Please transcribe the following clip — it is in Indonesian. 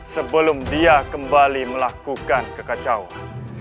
sebelum dia kembali melakukan kekacauan